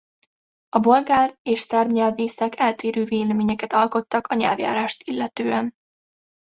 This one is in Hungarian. A bolgár és szerb nyelvészek eltérő véleményeket alkottak a nyelvjárást illetően.